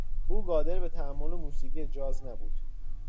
او قادر به تحمل موسیقی جاز نبود.